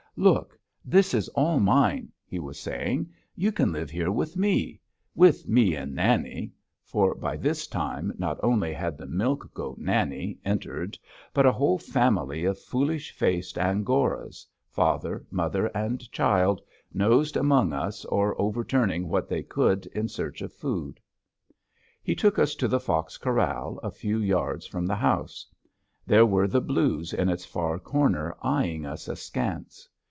"Look, this is all mine," he was saying; "you can live here with me with me and Nanny," for by this time not only had the milk goat Nanny entered but a whole family of foolish faced Angoras, father, mother, and child, nosing among us or overturning what they could in search of food. He took us to the fox corral a few yards from the house. There were the blues in its far corner eying us askance.